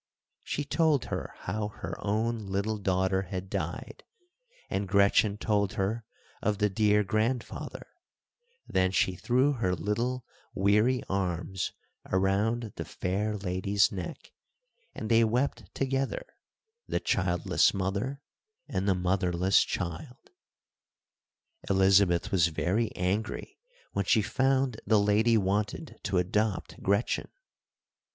She told her how her own little daughter had died, and Gretchen told her of the dear grandfather; then she threw her little, weary arms around the fair lady's neck, and they wept together—the childless mother and the motherless child. Elizabeth was very angry when she found the lady wanted to adopt Gretchen.